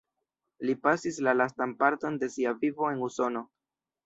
Li pasis la lastan parton de sia vivo en Usono.